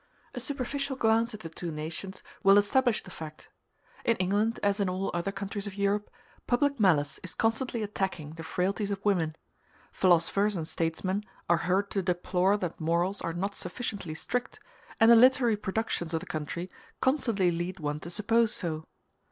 A superficial glance at the two nations will establish the fact. In England, as in all other countries of Europe, public malice is constantly attacking the frailties of women. Philosophers and statesmen are heard to deplore that morals are not sufficiently strict, and the literary productions of the country constantly lead one to suppose so.